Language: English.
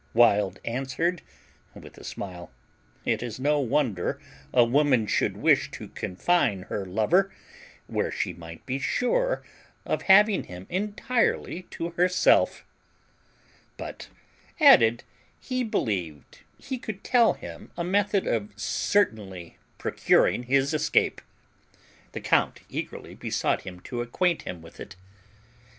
Wild answered, with a smile, "It was no wonder a woman should wish to confine her lover where she might be sure of having him entirely to herself;" but added, he believed he could tell him a method of certainly procuring his escape. The count eagerly besought him to acquaint him with it.